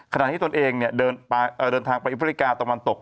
ขณะที่ตนเองเดินทางไปอฟริกาตะวันตก